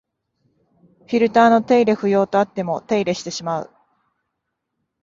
フィルターの手入れ不要とあっても手入れしてしまう